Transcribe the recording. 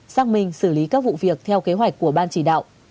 xác minh xử lý các vụ việc theo kế hoạch của ban chỉ đạo